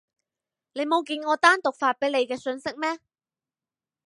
你冇見我單獨發畀你嘅訊息咩？